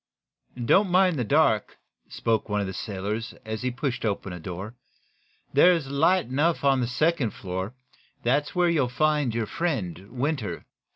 "Don't mind the dark," spoke one of the sailors, as he pushed open a door. "There's light enough on the second floor. That's where you'll find your friend, Winter."